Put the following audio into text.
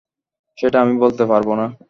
সেটা আমি বলতে পারব না।